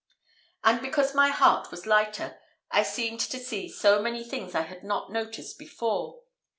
And because my heart was lighter, I seemed to see so many things I had not noticed before.